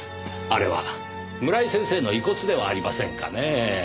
あれは村井先生の遺骨ではありませんかねぇ。